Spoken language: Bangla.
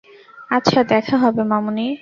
আচ্ছা, দেখা হবে, মামুনি।